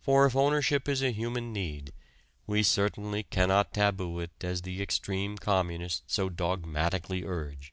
For if ownership is a human need, we certainly cannot taboo it as the extreme communists so dogmatically urge.